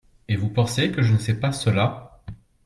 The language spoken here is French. Et vous pensez que je ne sais pas cela ?